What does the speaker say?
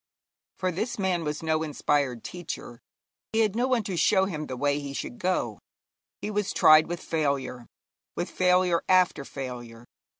For this man was no inspired teacher. He had no one to show him the way he should go; he was tried with failure, with failure after failure.